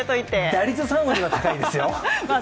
打率３割は高いですよ。